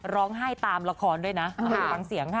ร้องไห้ตามละครด้วยนะไปฟังเสียงค่ะ